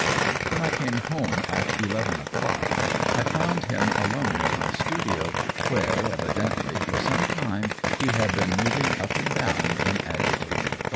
When I came home at eleven o'clock I found him alone in my studio, where, evidently, for some time, he had been moving up and down in agitated thought.